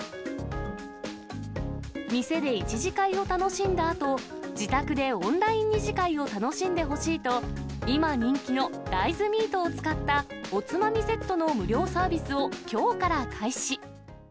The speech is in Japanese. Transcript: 店で１次会を楽しんだあと、自宅でオンライン２次会を楽しんでほしいと、今、人気の大豆ミートを使ったおつまみセットの無料サービスをきょうから開始。